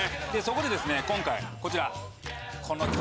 そこで今回こちらこの。